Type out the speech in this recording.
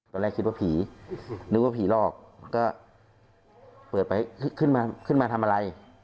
ตอนแรกคิดว่าผีนึกว่าผีหลอกก็เปิดไปขึ้นมาขึ้นมาทำอะไร